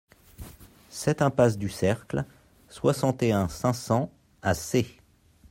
sept impasse Ducercle, soixante et un, cinq cents à Sées